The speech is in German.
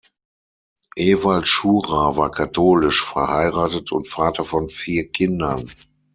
Ewald Schurer war katholisch, verheiratet und Vater von vier Kindern.